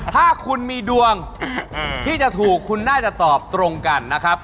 ถ้าคุณมีดวงที่จะถูกคุณน่าจะตอบตรงกันนะครับ